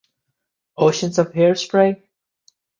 Oceans of hair spray?